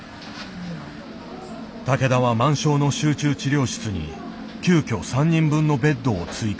竹田は満床の集中治療室に急きょ３人分のベッドを追加。